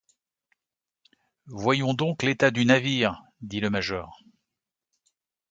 Voyons donc l’état du navire, dit le major.